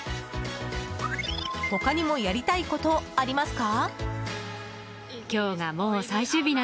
他にもやりたいことありますか？